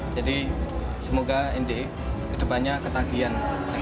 jadi semoga ndx kedepannya ketagihan